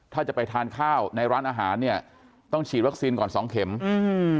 ถ้าจะไปทานข้าวในร้านอาหารเนี้ยต้องฉีดวัคซีนก่อนสองเข็มอืม